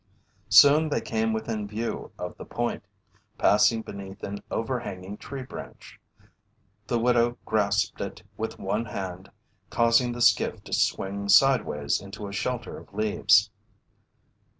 Soon they came within view of the point. Passing beneath an overhanging tree branch, the widow grasped it with one hand, causing the skiff to swing sideways into a shelter of leaves.